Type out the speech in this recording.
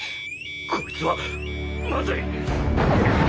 こいつはまずい！